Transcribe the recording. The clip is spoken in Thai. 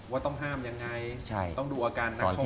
ว่าต้องห้ามยังไงต้องดูอาการนักโทษ